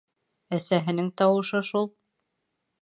Әсәһенең тауышы шул.